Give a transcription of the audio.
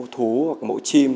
thú hoặc mẫu chim